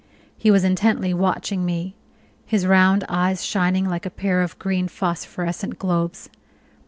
He was intently watching me, his round eyes shining like a pair of green phosphorescent globes.